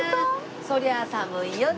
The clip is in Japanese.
「そりゃあ寒いよね」